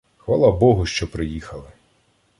— Хвала Богу, що приїхали.